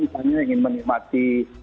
misalnya ingin menikmati